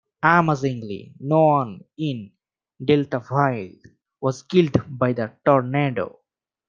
Amazingly, no one in Deltaville was killed by the tornado.